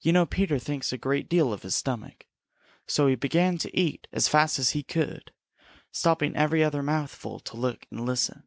You know Peter thinks a great deal of his stomach. So he began to eat as fast as he could, stopping every other mouthful to look and listen.